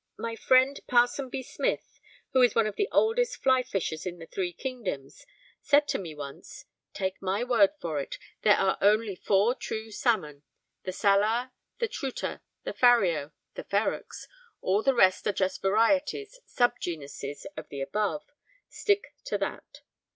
My friend Ponsonby Smith, who is one of the oldest fly fishers in the three kingdoms, said to me once: Take my word for it, there are only four true salmo; the salar, the trutta, the fario, the ferox; all the rest are just varieties, subgenuses of the above; stick to that.